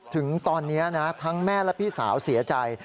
ถึงตอนนี้นะทั้งแม่และพี่สาวเสียใจ